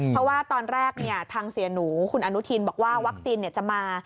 เพราะว่าตอนแรกทางเสียหนูคุณอนุทินบอกว่าวัคซีนจะมา